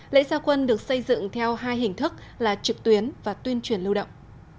lễ gia quân được xây dựng theo hai hình thức là trực tuyến và tuyên truyền lưu động